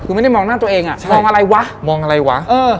คือไม่ได้มองหน้าตัวเองมองอะไรวะ